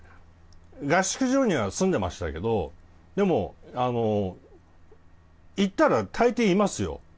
合宿所には住んでましたけどでも、行ったら大抵いますよ。